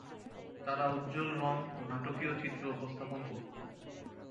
তারা উজ্জ্বল রং ও নাটকীয় চিত্র উপস্থাপন করতো।